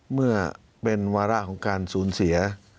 เมื่อเป็นวาระของการสูญเสีย